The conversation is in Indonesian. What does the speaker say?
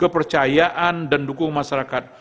kepercayaan dan dukung masyarakat